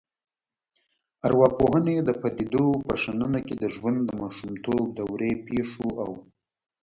ارواپوهنې د پديدو په شننه کې د ژوند د ماشومتوب دورې پیښو او